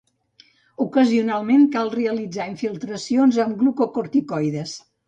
Ocasionalment cal realitzar infiltracions amb glucocorticoides.